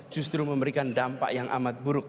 justru memberikan dampak yang amat buruk